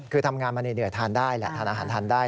คือทำงานมาเหนื่อยทานได้แหละทานอาหารทานได้